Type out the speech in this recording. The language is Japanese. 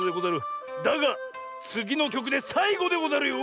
だがつぎのきょくでさいごでござるよ！